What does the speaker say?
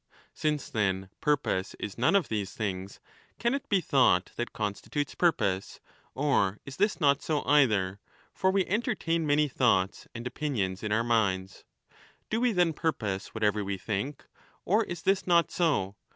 Since, then, purpose is none of these things, can it be thought that constitutes purpose ? Or is this not so either ? For we entertain many thoughts and opinions in our minds. 20 Do we then purpose whatever we think ? Or is this not so